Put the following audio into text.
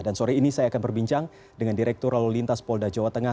dan sore ini saya akan berbincang dengan direktur lalu lintas polda jawa tengah